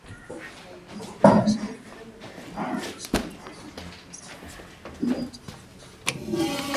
Aliliambia shirika la habari kuwa majeshi ya Jamhuri ya kidemokrasia ya kongo na Uganda yalitia saini Juni mosi.